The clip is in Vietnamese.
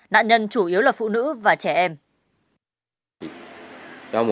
nạn nhân chủ yếu là phụ nữ và trẻ em